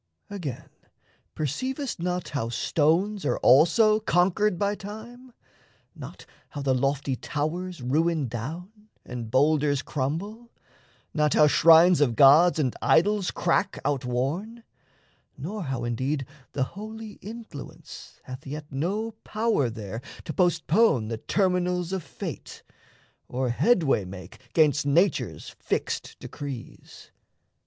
Again, perceivest not How stones are also conquered by Time? Not how the lofty towers ruin down, And boulders crumble? Not how shrines of gods And idols crack outworn? Nor how indeed The holy Influence hath yet no power There to postpone the Terminals of Fate, Or headway make 'gainst Nature's fixed decrees?